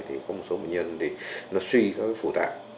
thì có một số bệnh nhân suy các phủ tạng